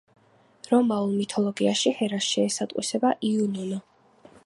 რომაულ მითოლოგიაში ჰერას შეესატყვისება იუნონა.